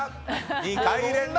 ２回連続！